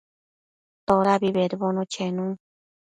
Todabi bedbono chenun